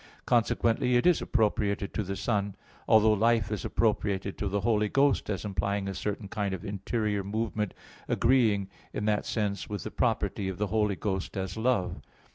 Consequently, it is appropriated to the Son; although life is appropriated to the Holy Ghost, as implying a certain kind of interior movement, agreeing in that sense with the property of the Holy Ghost as Love.